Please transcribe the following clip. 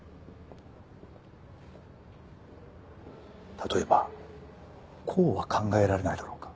例えばこうは考えられないだろうか？